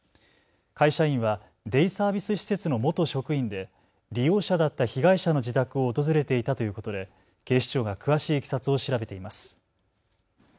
会社員はデイサービス施設の元職員で利用者だった被害者の自宅を訪れていたということで警視庁が詳しいいきさつを調べています。